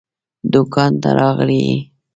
دوکان ته راغلی يې؟